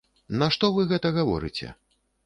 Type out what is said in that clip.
Нашто вы гэта гаворыце?